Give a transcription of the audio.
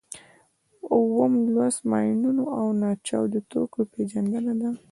اووم لوست د ماینونو او ناچاودو توکو پېژندنه ده.